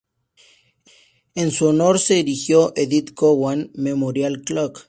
En su honor se erigió Edith Cowan Memorial Clock.